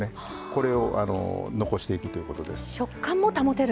これを残していくということです。